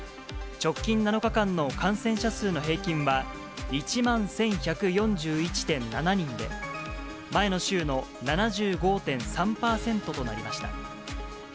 直近７日間の感染者数の平均は、１万１１４１．７人で、前の週の７５．３％となりました。